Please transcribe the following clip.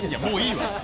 もういいわ！